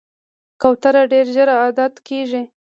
کوتره ډېر ژر عادت کېږي.